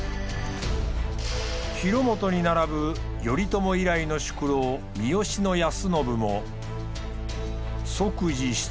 広元に並ぶ頼朝以来の宿老三善康信も「即時出撃大将軍